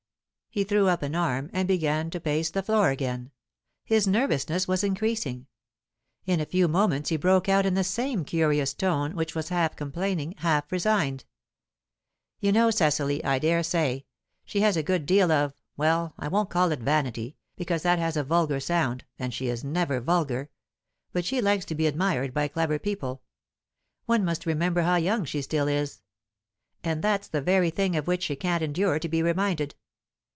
He threw up an arm, and began to pace the floor again. His nervousness was increasing. In a few moments he broke out in the same curious tone, which was half complaining, half resigned. "You know Cecily, I dare say. She has a good deal of well, I won't call it vanity, because that has a vulgar sound, and she is never vulgar. But she likes to be admired by clever people. One must remember how young she still is. And that's the very thing of which she can't endure to be reminded.